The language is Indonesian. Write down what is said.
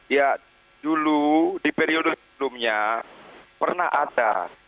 ya dulu di periode sebelumnya pernah ada